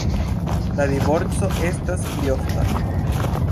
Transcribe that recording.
La divorco estas pli ofta.